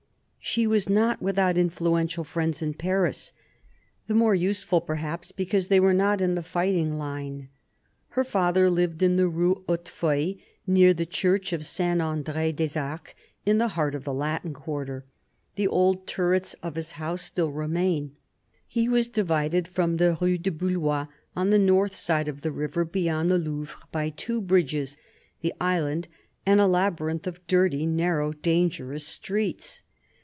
She was not without influential friends in Paris ; the more useful, perhaps, because they were not in the fighting line. Her father lived in the Rue Hautefeuille, near the Church of St. Andr6 des Arcs, in the heart of the Latin quarter; the old turrets of his house still remain. He was divided from the Rue du Bouloy, on the north side of the river beyond the Louvre, by two bridges, the Island, and a labyrinth of dirty, narrow, dangerous streets.